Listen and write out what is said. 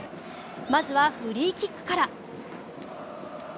まずはフリーキックから。